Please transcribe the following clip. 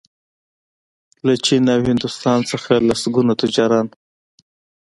له چین او هندوستان څخه لسګونه تجاران